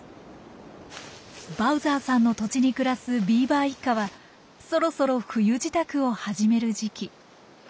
バウザーさんの土地に暮らすビーバー一家はそろそろ冬支度を始める時期。